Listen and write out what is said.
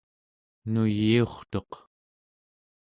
nuyiurtuq